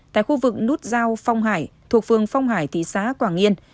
tại khu vực nút giao phong hải thuộc phường phong hải thị xã quảng yên